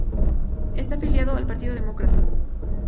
Está afiliado al Partido Demócrata.